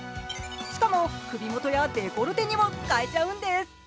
しかも、首元やデコルテにも使えちゃうんです。